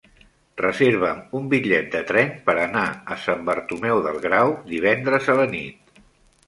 Reserva'm un bitllet de tren per anar a Sant Bartomeu del Grau divendres a la nit.